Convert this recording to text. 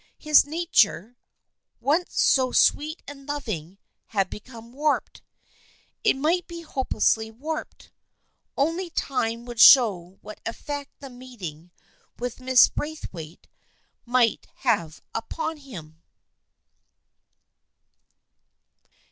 His nature, once so sweet and loving, had become warped — it might be hopelessly warped. Only time would show what effect the meeting with Mrs. Braithwaite might have upon him.